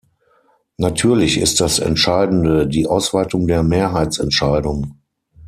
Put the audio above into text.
Natürlich ist das entscheidende die Ausweitung der Mehrheitsentscheidung.